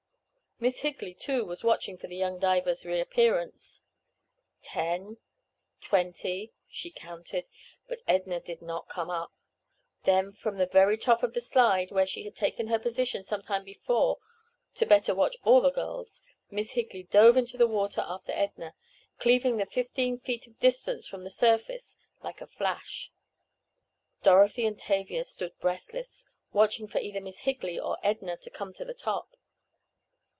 Miss Higley, too, was watching for the young diver's re appearance. Ten—twenty—she counted, but Edna did not come up. Then, from the very top of the slide, where she had taken her position some time before to better watch all the girls, Miss Higley dove into the water after Edna, cleaving the fifteen feet of distance from the surface like a flash. Dorothy and Tavia stood breathless—watching for either Miss Higley or Edna to come to the top.